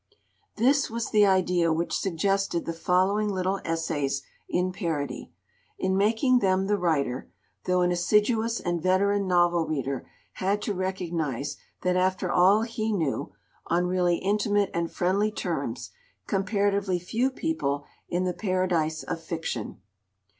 This was the idea which suggested the following little essays in parody. In making them the writer, though an assiduous and veteran novel reader, had to recognise that after all he knew, on really intimate and friendly terms, comparatively few people in the Paradise of Fiction.